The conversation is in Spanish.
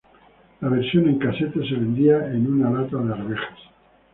La versión en casete se vendía en una lata de arvejas.